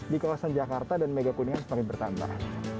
di kawasan jakarta dan mega kuningan semakin bertambah